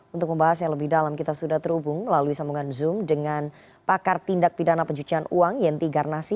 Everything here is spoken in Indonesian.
untuk membahas yang lebih dalam kita sudah terhubung melalui sambungan zoom dengan pakar tindak pidana pencucian uang yenti garnasi